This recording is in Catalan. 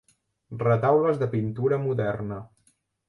Retaules de pintura moderna.